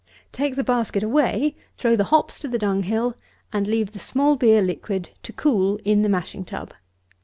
Take the basket away, throw the hops to the dunghill, and leave the small beer liquid to cool in the mashing tub.